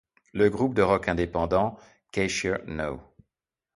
Le groupe de rock indépendant Cashier No.